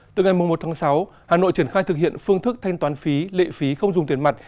từ ngày một tháng sáu hà nội triển khai thực hiện phương thức thanh toán phí lệ phí không dùng tiền mặt